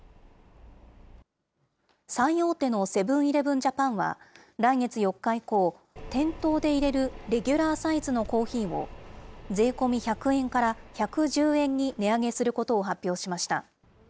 最大手のセブン−イレブン・ジャパンは来月４日以降、店頭でいれるレギュラーサイズのコーヒーを、税込み１００円から１１０円に値上げすることを発表しました。